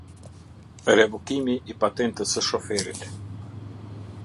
Revokimi i patentës së shoferit.